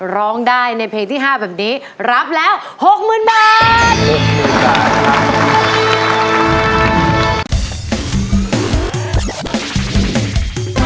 ร้องได้ในเพลงที่๕แบบนี้รับแล้ว๖๐๐๐บาท